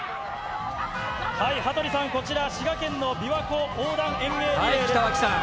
羽鳥さん、こちら、滋賀県のびわ湖横断遠泳リレーです。